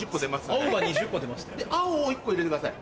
で青を１個入れてください。